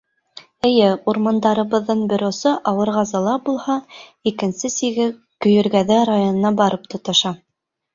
— Эйе, урмандарыбыҙҙың бер осо Ауырғазыла булһа, икенсе сиге Көйөргәҙе районына барып тоташа.